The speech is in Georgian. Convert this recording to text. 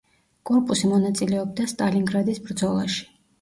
კორპუსი მონაწილეობდა სტალინგრადის ბრძოლაში.